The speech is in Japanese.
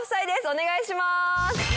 お願いします。